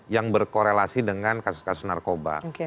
yang berkorelasi dengan kasus kasus narkoba